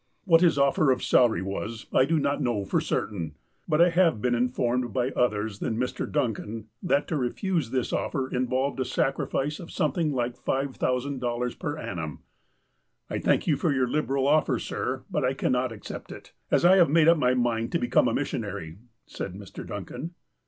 What his offer of salary was, I do not know for certain, but I have been informed, by others than Mr. Duncan, that to refuse this offer involved a sacrifice of something like $5,000 per annum. '' I thank you for your liberal offer, sir ; but I cannot accept it, as I have made up my mind to become a mis sionary," said Mr. Duncan.